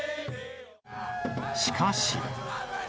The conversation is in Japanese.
しかし。